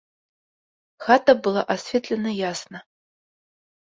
Хата была асветлена ясна.